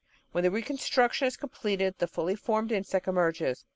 When the reconstruction is completed the fully formed insect emerges.